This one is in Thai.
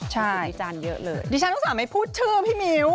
ใช่ดิฉันเยอะเลยดิฉันรู้สึกไม่พูดเชื่อพี่มิ้ว